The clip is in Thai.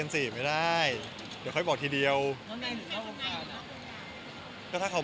แล้วติมถามมาแค่คนเมืองนอกว่าเปล่า